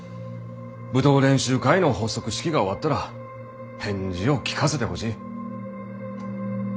舞踏練習会の発足式が終わったら返事を聞かせてほしい。